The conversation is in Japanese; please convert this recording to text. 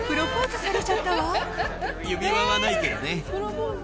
指輪はないけどね。